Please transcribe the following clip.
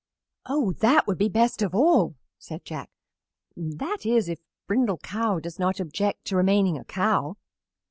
"Oh, that would be best of all," said Jack, "that is, if Brindle Cow does not object to remaining a cow."